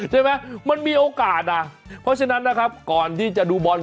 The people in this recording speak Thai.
ใช่ไหมมันมีโอกาสอ่ะเพราะฉะนั้นนะครับก่อนที่จะดูบอล